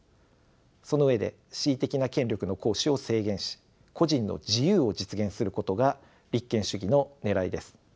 その上で恣意的な権力の行使を制限し個人の自由を実現することが立憲主義のねらいです。